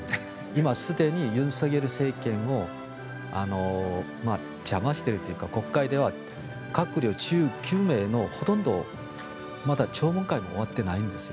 今すでに尹錫悦政権を邪魔しているというか国会では閣僚１９名のほとんどがまだ聴聞会も終わっていないんです。